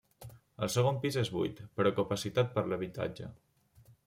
El segon pis és buit, però capacitat per l'habitatge.